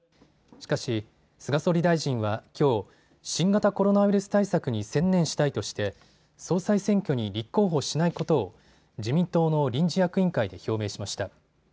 しかし、菅総理大臣はきょう、新型コロナウイルス対策に専念したいとして総裁選挙に立候補しないことを自民党の臨時役員会で表明しました。